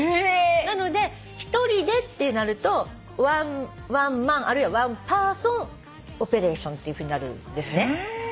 なので「一人で」ってなると「ワンマン」あるいは「ワンパーソンオペレーション」っていうふうになるんですね。